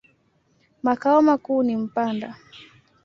Makao makuu ni Mpanda.